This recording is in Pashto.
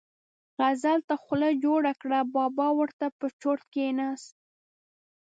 غزل ته خوله جوړه کړه، بابا ور ته په چرت کېناست.